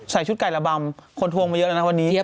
ชุดไก่ระบำคนทวงมาเยอะแล้วนะวันนี้